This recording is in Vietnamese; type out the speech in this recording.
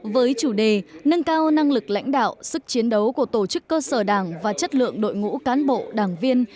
với chủ đề nâng cao năng lực lãnh đạo sức chiến đấu của tổ chức cơ sở đảng và chất lượng đội ngũ cán bộ đảng viên